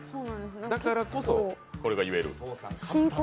だからこそ、これが言える。